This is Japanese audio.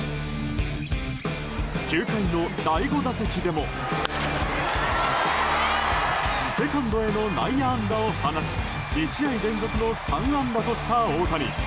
９回の第５打席でもセカンドへの内野安打を放ち２試合連続の３安打とした大谷。